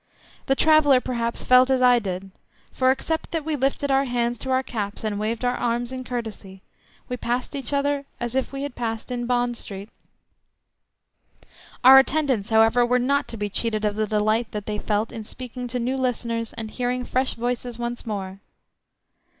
The traveller perhaps felt as I did, for except that we lifted our hands to our caps and waved our arms in courtesy, we passed each other as if we had passed in Bond Street. Our attendants, however, were not to be cheated of the delight that they felt in speaking to new listeners and hearing fresh voices once more.